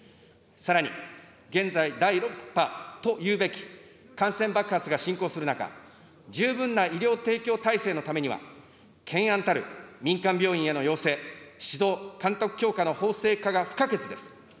さらに、現在、第６波というべき感染爆発が進行する中、十分な医療提供体制のためには、懸案たる民間病院への要請、指導、監督強化の法制化が不可欠です。